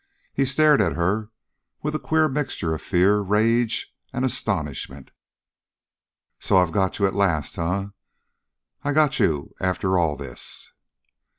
He stared at her, with a queer admixture of fear, rage, and astonishment. "So I've got you at last, eh? I've got you, after all this?"